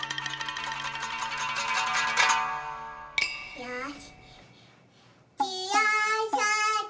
よし。